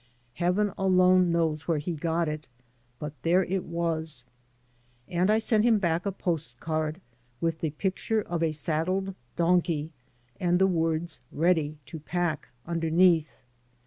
Heaven alone knows where he got it, but there it was; and I sent him back a post card with the picture of a saddled donkey and the words "Ready to Pack" underneath.